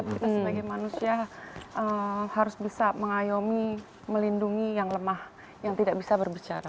kita sebagai manusia harus bisa mengayomi melindungi yang lemah yang tidak bisa berbicara